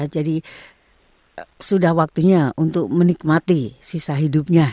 ya jadi sudah waktunya untuk menikmati sisa hidupnya